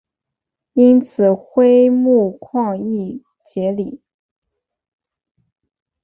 因此辉钼矿易解理。